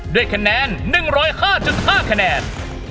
ด้วยคะแนน๑๐๕๕คะแนน